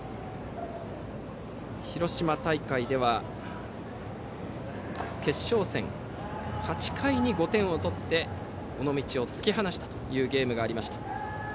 広島大会では決勝戦８回に５点を取って尾道を突き放したというゲームがありました。